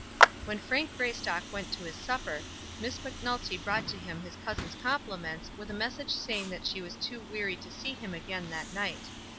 When Frank Greystock went to his supper, Miss Macnulty brought to him his cousin's compliments with a message saying that she was too weary to see him again that night.